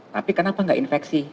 tapi kenapa gak infeksi